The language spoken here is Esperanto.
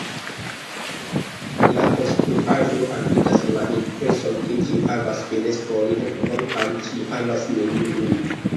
La konstruaĵo havigas la impreson ke ĝi havas fenestrojn, kvankam ĝi havas neniun.